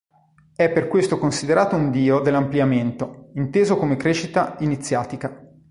È per questo considerato un Dio dell' "ampliamento", inteso come crescita iniziatica.